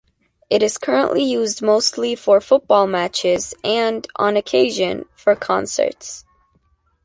It is currently used mostly for football matches and, on occasion, for concerts.